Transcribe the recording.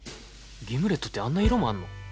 ギムレットってあんな色もあるの？